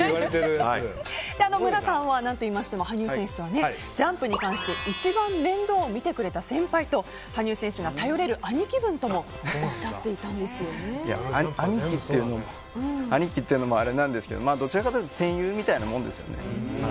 無良さんは何と言いましても羽生選手とはジャンプに関して一番面倒を見てくれた先輩と、羽生選手が頼れる兄貴分ともいや兄貴っていうのもあれなんですけどどちらかというと戦友みたいなものですよね。